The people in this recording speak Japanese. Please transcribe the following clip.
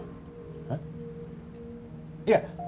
えっ？いや。